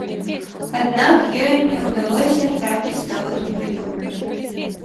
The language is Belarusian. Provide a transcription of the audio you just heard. Аднак ёй не ўдалося трапіць нават у прыёмную.